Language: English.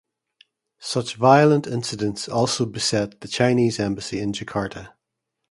Such violent incidents also beset the Chinese embassy in Jakarta.